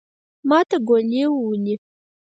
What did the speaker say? ماته ګولي وويلې.